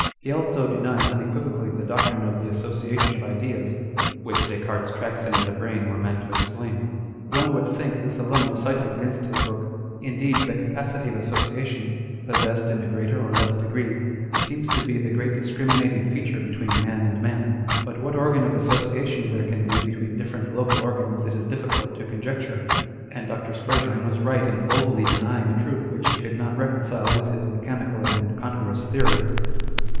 He also denies unequivocally the doctrine of the association of ideas, which Des Cartes's " tracks in the brain " were meant to explain. One would think this alone decisive against his book. Indeed, the capacity of association, possessed in a greater or less degree, seems to be the great discriminating feature between man and man. But what organ of association there can be between different local organs it is difficult to conjecture ; and Dr. Spurzheim was right in boldly denying a truth which he could not reconcile with his mechanical and incongruous theory.